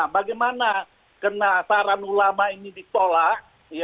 bagaimana kena saran ulama ini ditolak